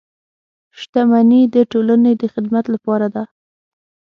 • شتمني د ټولنې د خدمت لپاره ده.